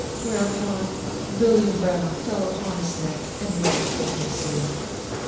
Whereupon Villiam Brown fell upon his neck and wept copiously.